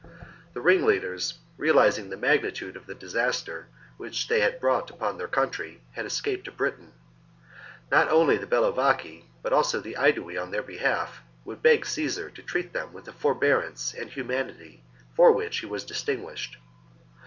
The ring leaders, realizing the magnitude of the disaster which they had brought upon their country, had escaped to Britain. Not only the Bellovaci, but also the Aedui on their behalf, would beg Caesar to treat them with the forbearance and humanity for which he was distinguished.